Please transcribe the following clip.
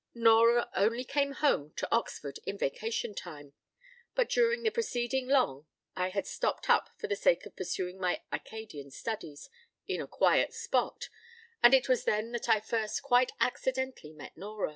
Nora only came home to Oxford in vacation time: but during the preceding Long I had stopped up for the sake of pursuing my Accadian studies in a quiet spot, and it was then that I first quite accidentally met Nora.